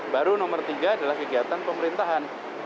baru nomor tiga adalah kegiatan pemerintahan